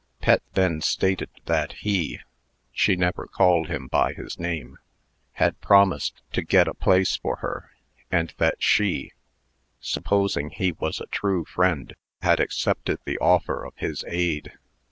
Pet then stated that he (she never called him by his name) had promised to get a place for her, and that she, supposing he was a true friend, had accepted the offer of his aid.